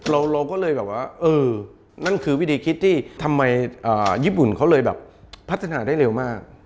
เราก็เลยแบบว่าเออนั่นคือวิธีคิดที่ทำไมญี่ปุ่นเขาเลยแบบพัฒนาได้เร็วมาก